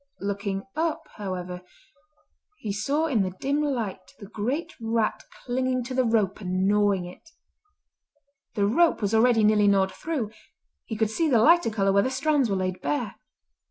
Looking up, however, he saw in the dim light the great rat clinging to the rope and gnawing it. The rope was already nearly gnawed through—he could see the lighter colour where the strands were laid bare.